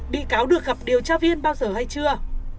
bị cáo được gặp điều tra viên bao giờ hay chưa